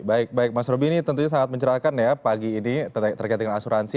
baik baik mas roby ini tentunya sangat mencerahkan ya pagi ini terkait dengan asuransi